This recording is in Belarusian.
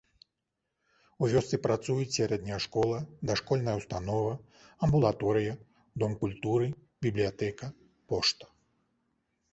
У вёсцы працуюць сярэдняя школа, дашкольная ўстанова, амбулаторыя, дом культуры, бібліятэка, пошта.